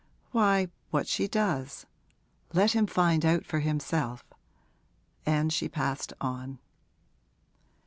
'Why, what she does. Let him find out for himself.' And she passed on.